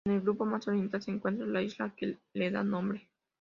En el grupo más oriental se encuentra la isla que la da nombre.